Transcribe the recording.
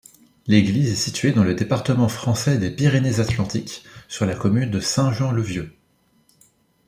L'église est située dans le département français des Pyrénées-Atlantiques, sur la commune de Saint-Jean-le-Vieux.